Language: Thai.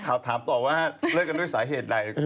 ครับถามต่อว่าเลิกแล้วยัง